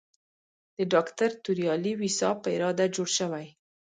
د ډاکټر توریالي ویسا په اراده جوړ شوی.